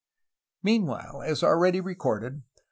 Meanwhile, as already recorded.